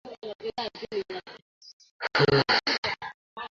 তিনি এই আসনটি নিজ দখলে রেখেছিলেন।